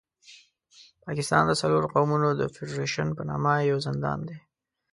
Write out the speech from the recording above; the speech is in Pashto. پاکستان د څلورو قومونو د فېډرېشن په نامه یو زندان دی.